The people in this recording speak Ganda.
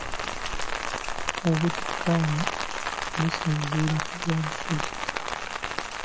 Obutakkaanya businziira ku byabufuzi.